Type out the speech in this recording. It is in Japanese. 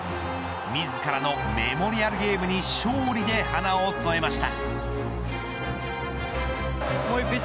自らのメモリアルゲームに勝利で華を添えました。